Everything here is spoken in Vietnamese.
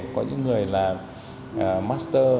có những người là master